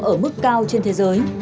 ở mức cao trên thế giới